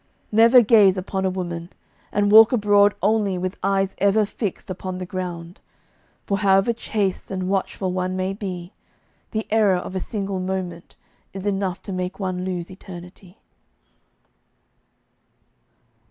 Never gaze upon a woman, and walk abroad only with eyes ever fixed upon the ground; for however chaste and watchful one may be, the error of a single moment is enough to make one lose eternity.